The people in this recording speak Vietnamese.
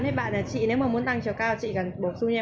thứ nhất là hàng xích tay